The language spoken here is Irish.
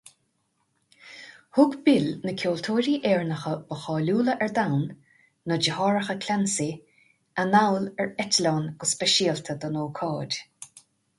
Thug Bill na ceoltóirí Éireannacha ba cháiliúla ar domhan, na deartháireacha Clancy, anall ar eitleán go speisialta don ócáid.